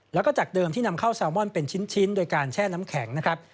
แล้วก็จากเดิมที่นำเข้าแซลมอนเป็นชิ้นโดยการแช่น้ำแข็งนะครับ